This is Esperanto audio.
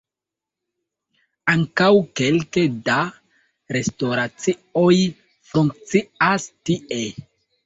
Ankaŭ kelke da restoracioj funkcias tie.